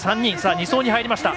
２走に入りました。